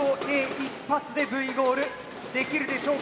１発でＶゴールできるでしょうか。